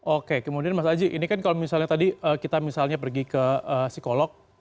oke kemudian mas aji ini kan kalau misalnya tadi kita misalnya pergi ke psikolog